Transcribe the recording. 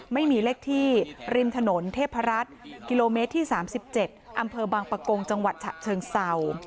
ไม่มีเลขที่ริมถนนเทพรัฐกิโลเมตรที่๓๗อำเภอบางปะโกงจังหวัดฉะเชิงเศร้า